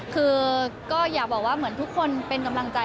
คือก็อยากบอกว่าเหมือนทุกคนเป็นกำลังใจ